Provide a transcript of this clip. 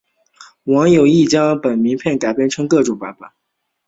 网友亦将本片改编成各种版本。